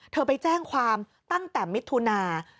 เธอไปแจ้งความตั้งแต่มิถุนา